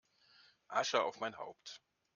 Asche auf mein Haupt!